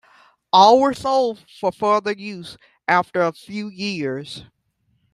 All were sold for further use after a few years.